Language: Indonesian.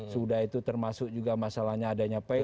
sudah itu termasuk juga masalahnya adanya p